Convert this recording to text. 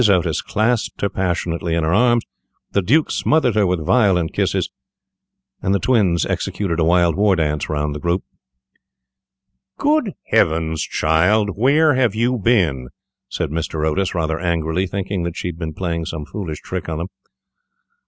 Otis clasped her passionately in her arms, the Duke smothered her with violent kisses, and the twins executed a wild war dance round the group. [Illustration: "OUT ON THE LANDING STEPPED VIRGINIA"] "Good heavens! child, where have you been?" said Mr. Otis, rather angrily, thinking that she had been playing some foolish trick on them.